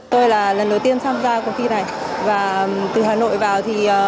từ hà nội vào